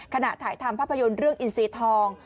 ถ่ายทำภาพยนตร์เรื่องอินซีทอง